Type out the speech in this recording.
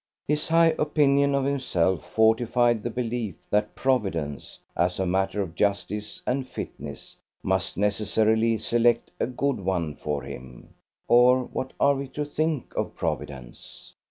His high opinion of himself fortified the belief that Providence, as a matter of justice and fitness, must necessarily select a good one for him or what are we to think of Providence?